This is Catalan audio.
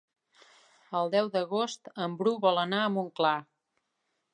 El deu d'agost en Bru vol anar a Montclar.